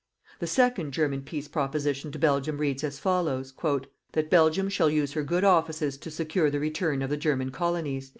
The second German peace proposition to Belgium reads as follows: "That Belgium shall use her good offices to secure the return of the German colonies."